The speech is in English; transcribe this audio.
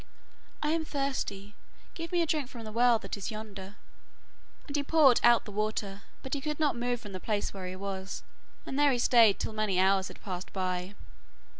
'I am thirsty, give me a drink from the well that is yonder.' And he poured out the water, but he could not move from the place where he was; and there he stayed till many hours had passed by.